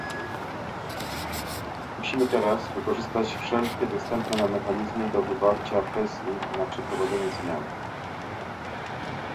Musimy teraz wykorzystać wszelkie dostępne nam mechanizmy do wywarcia presji na przeprowadzenie zmian